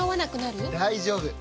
大丈夫！